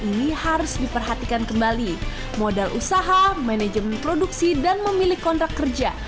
ini harus diperhatikan kembali modal usaha manajemen produksi dan memilih kontrak kerja